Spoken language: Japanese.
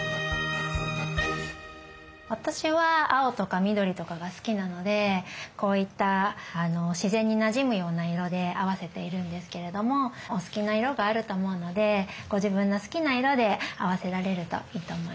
私は青とか緑とかが好きなのでこういった自然になじむような色で合わせているんですけれどもお好きな色があると思うのでご自分の好きな色で合わせられるといいと思います。